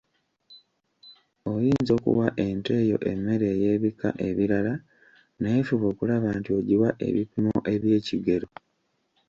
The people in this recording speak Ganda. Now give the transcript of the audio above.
Oyinza okuwa ente yo emmere ey’ebika ebirala naye fuba okulaba nti ogiwa ebipimo eby’ekigero.